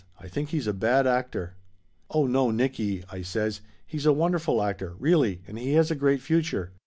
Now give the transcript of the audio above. "I think he's a bad actor." "Oh, no, Nicky !" I says. "He's a wonderful actor, really, and he has a great future!"